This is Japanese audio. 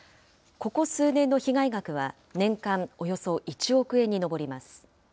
ここ数年の被害額は年間およそ１億円に上ります。